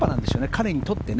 彼にとって。